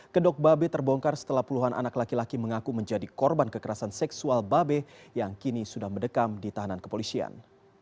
kedok babe terbongkar setelah puluhan anak laki laki mengaku menjadi korban kekerasan seksual babe yang kini sudah mendekam di tahanan kepolisian